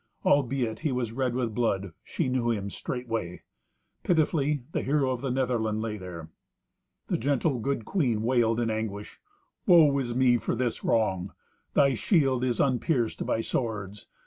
Albeit he was red with blood, she knew him straightway. Pitifully the hero of the Netherland lay there. The gentle, good queen wailed in anguish, "Woe is me for this wrong! Thy shield is unpierced by swords.